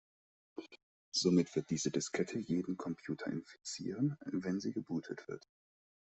Somit wird diese Diskette jeden Computer infizieren, wenn sie gebootet wird.